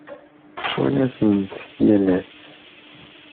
Ttwanasen-t yal ass.